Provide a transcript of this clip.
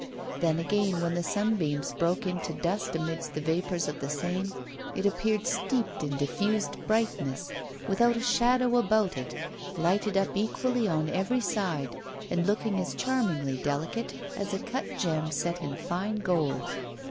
Then, again, when the sunbeams broke into dust amidst the vapours of the Seine, it appeared steeped in diffused brightness, without a shadow about it, lighted up equally on every side, and looking as charmingly delicate as a cut gem set in fine gold.